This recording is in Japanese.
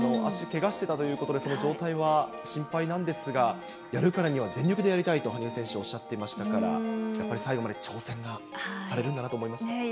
足、けがしていたということで、その状態は心配なんですが、やるからには全力でやりたいと羽生選手、おっしゃっていましたから、やっぱり最後まで挑戦はされるんだなと思いました。